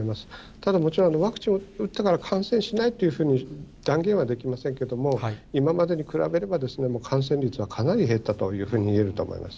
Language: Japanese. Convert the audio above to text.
ただ、もちろん、ワクチンを打ったから感染しないというふうに断言はできませんけれども、今までに比べれば、感染率はかなり減ったというふうにいえると思います。